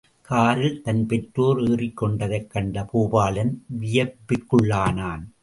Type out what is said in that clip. காரில் தன் பெற்றோர் ஏறிக் கொண்டதைக் கண்ட பூபாலன் வியப்பிற்குள்ளானான்.